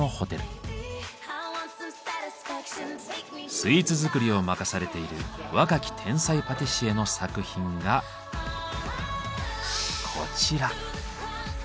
スイーツ作りを任されている若き天才パティシエの作品がこちら。